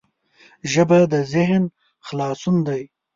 ژبه د ذهن خلاصون دی